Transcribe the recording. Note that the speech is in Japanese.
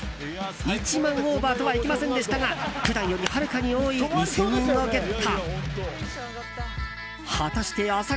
１万オーバーとはいきませんでしたが普段よりはるかに多い２０００円をゲット。